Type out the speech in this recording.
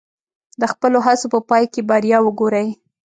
د خپلو هڅو په پای کې بریا وګورئ.